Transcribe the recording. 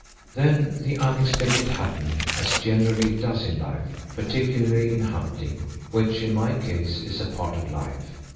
Then the unexpected happened as generally it does in life, particularly in hunting, which, in my case, is a part of life.